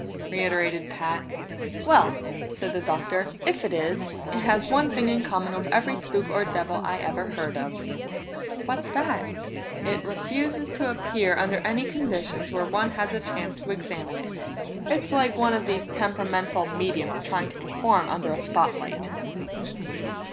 reiterated Pat. "Well," said the Doctor, "if it is, it has one thing in common with every spook or devil I ever heard of." "What's that?" "It refuses to appear under any conditions where one has a chance to examine it. It's like one of these temperamental mediums trying to perform under a spot light."